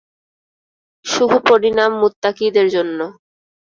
শুভ পরিণাম মুত্তাকীদের জন্য।